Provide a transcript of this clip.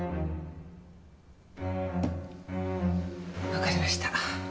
わかりました。